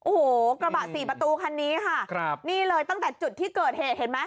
โอ้โหกระบะสี่ประตูคันนี้ค่ะครับนี่เลยตั้งแต่จุดที่เกิดเหตุเห็นไหม